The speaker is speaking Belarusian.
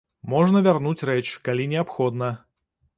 Можна вярнуць рэч, калі неабходна.